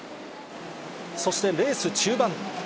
そしてレース中盤。